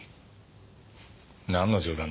なんの冗談です？